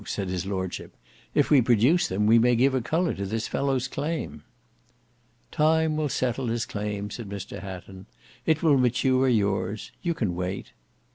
said his lordship. "If we produce them, we may give a colour to this fellow's claim." "Time will settle his claim," said Mr Hatton; "it will mature yours. You can wait."